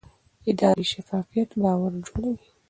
اداري شفافیت باور جوړوي